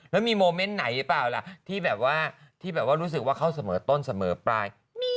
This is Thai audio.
แล้วมีโมเมนต์ไหนหรือเปล่าล่ะที่แบบว่าที่แบบว่ารู้สึกว่าเขาเสมอต้นเสมอปลาย